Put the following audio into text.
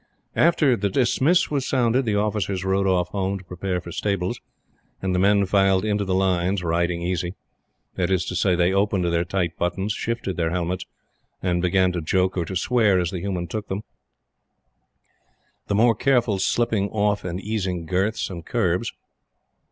After the "dismiss" was sounded, the officers rode off home to prepare for stables; and the men filed into the lines, riding easy. That is to say, they opened their tight buttons, shifted their helmets, and began to joke or to swear as the humor took them; the more careful slipping off and easing girths and curbs.